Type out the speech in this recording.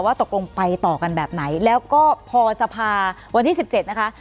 ตกลงไปต่อกันแบบไหนแล้วก็พอสภาวันที่๑๗นะคะ